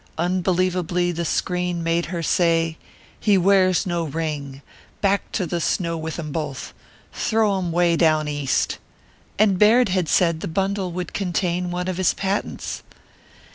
Unbelievably the screen made her say, "He wears no ring. Back to the snow with 'em both! Throw 'em Way Down East!" And Baird had said the bundle would contain one of his patents!